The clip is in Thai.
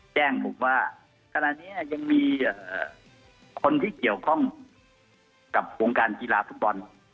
แจ้งผมว่าขณะนี้ยังมีคนที่เกี่ยวข้องกับวงการกีฬาฟุตบอล